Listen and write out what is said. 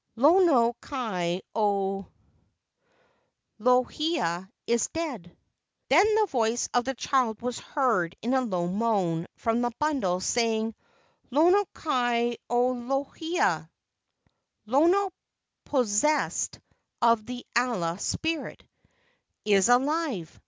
Lono kai o lohia is dead." Then the voice of the child was heard in a low moan from the bundle, saying, "Lono kai o lohia [Lono possessed of the Ala spirit] is alive."